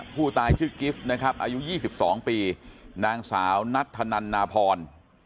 ผู้ตายชื่อกิฟต์นะครับอายุ๒๒ปีนางสาวนัทธนันนาพร